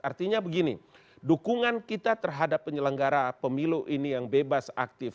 artinya begini dukungan kita terhadap penyelenggara pemilu ini yang bebas aktif